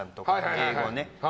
英語をね。